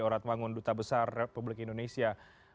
oratwangun duta besar republik indonesia